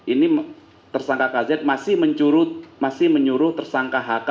ini tersangka kz masih menyuruh tersangka hk